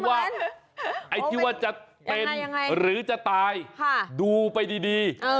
ว่าไอ้ที่ว่าจะเป็นหรือจะตายดูไปดี